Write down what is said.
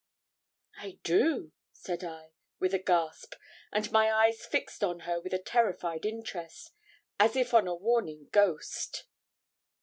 'I do,' said I, with a gasp, and my eyes fixed on her with a terrified interest, as if on a warning ghost.